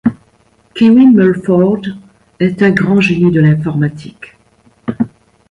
Kewin Mulford est un grand génie de l'informatique.